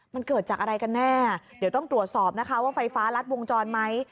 มันเกิดจากอะไรกันแน่เดี๋ยวต้องตรวจสอบนะคะว่าไฟฟ้ารัดวงจรไหม